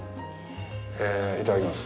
いただきます。